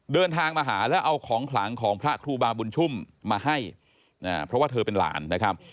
เดินทางมาหาแล้วเอาของขลังของพระครูบาบุญชุ่มมาให้เพราะว่าเธอเป็นหลานนะครับ